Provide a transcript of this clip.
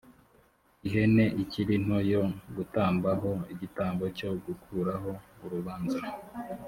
ihene ikiri nto yo gutamba ho igitambo cyo gukuraho urubanza